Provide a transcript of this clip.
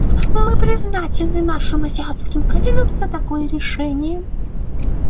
Мы признательны нашим азиатским коллегам за такое решение.